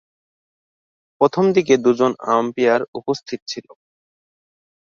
প্রথমদিকে দু'জন আম্পায়ারের উপস্থিত ছিল।